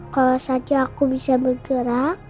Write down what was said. kalau saja aku bisa bergerak